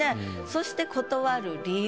そして「断る理由」。